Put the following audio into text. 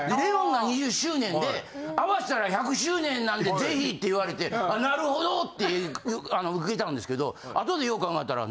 『ＬＥＯＮ』が２０周年で合わせたら１００周年なんでぜひって言われてなるほどって受けたんですけどあとでよう考えたら。